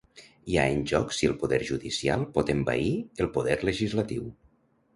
Hi ha en joc si el poder judicial pot envair el poder legislatiu.